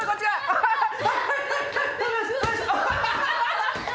アハハハ！